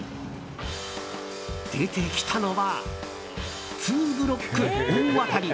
出てきたのはツーブロック大当たり！